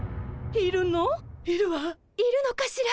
いるのかしら？